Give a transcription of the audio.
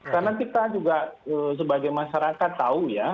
karena kita juga sebagai masyarakat tahu ya